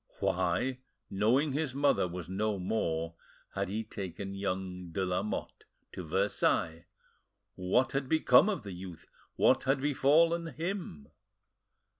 Why, knowing his mother was no more, had he taken young de Lamotte to Versailles? What had become of the youth? What had befallen, him?